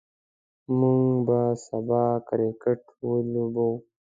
موږ به سبا کرکټ ولوبو.